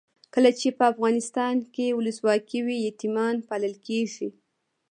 کله چې افغانستان کې ولسواکي وي یتیمان پالل کیږي.